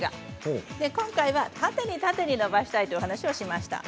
今回は縦に伸ばしたいという話をしていました。